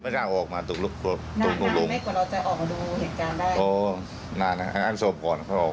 ส่วนความครืบหน้าทางคดีนะครับ